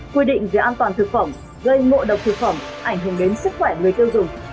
quy định về an toàn thực phẩm gây ngộ độc thực phẩm ảnh hưởng đến sức khỏe người tiêu dùng